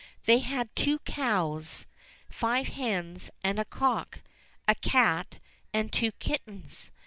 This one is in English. They had two cows, five hens, and a cock, a cat and two kittens.